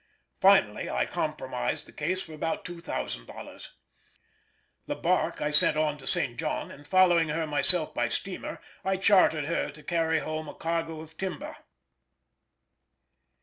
Finally I compromised the case for about $2000. The barque I sent on to St. John, and, following her myself by steamer, I chartered her to carry home a cargo of timber.